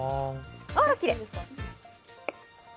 あら、きれい。